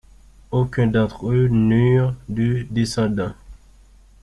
Aucun d'entre eux n'eurent de descendants.